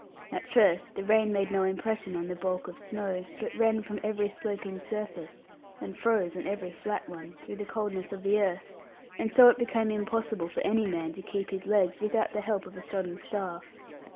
At first the rain made no impression on the bulk of snow, but ran from every sloping surface and froze on every flat one, through the coldness of the earth; and so it became impossible for any man to keep his legs without the help of a shodden staff.